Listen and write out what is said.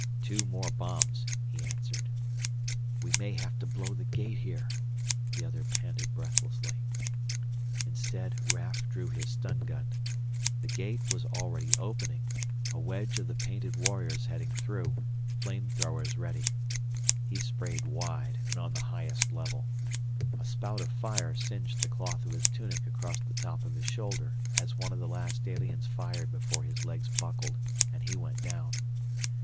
"Two more bombs," he answered. "We may have to blow the gate here," the other panted breathlessly. Instead Raf drew his stun gun. The gate was already opening, a wedge of the painted warriors heading through, flame throwers ready. He sprayed wide, and on the highest level. A spout of fire singed the cloth of his tunic across the top of his shoulder as one of the last aliens fired before his legs buckled and he went down.